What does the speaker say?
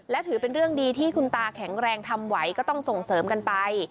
และถือเป็นเรื่องดีที่คุณตาแข็งแรงทำไหวก็ต้องส่งเสริมกันไป